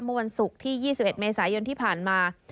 เมื่อวันศุกร์ที่๒๑เมษายนที่ผ่านมา